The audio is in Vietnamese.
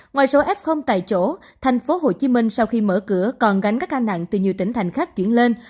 ngoài số f tại chỗ tp hcm sau khi mở cửa còn gánh các ca nặng từ nhiều tỉnh thành khác chuyển lên